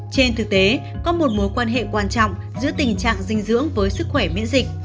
trên thực tế có một mối quan hệ quan trọng giữa tình trạng dinh dưỡng với sức khỏe miễn dịch